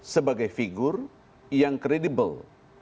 sebagai figur yang credible